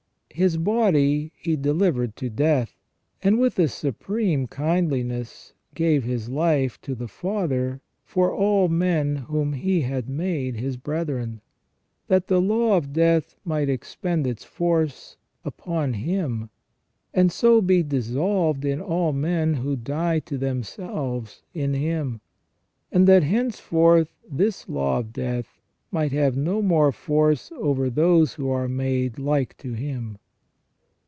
His body He delivered to death, and with a supreme kindliness gave His life to the Father for all men whom He had made His brethren ; that the law of death might expend its force upon Him, and so be dissolved in all men who die to themselves in Him, and that henceforth this law of death might have no more force over those who are made like to Him.